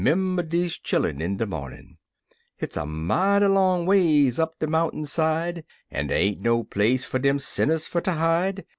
'member deze chillun in de momin' — Hit's a mighty long ways up de mountain side, En dey ain't no place far dem sinners fer ter hide.